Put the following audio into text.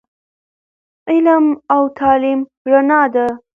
علم او تعليم رڼا ده